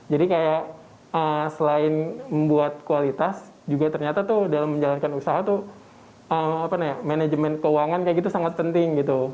jadi kayak selain membuat kualitas juga ternyata tuh dalam menjalankan usaha tuh manajemen keuangan kayak gitu sangat penting gitu